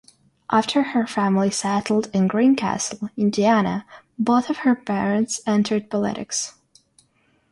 After her family settled in Greencastle, Indiana, both of her parents entered politics.